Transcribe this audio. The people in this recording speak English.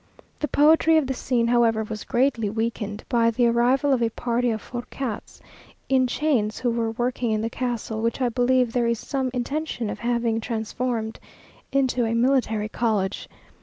The poetry of the scene, however, was greatly weakened by the arrival of a party of forçats in chains, who are working in the castle, which I believe there is some intention of having transformed into a military college.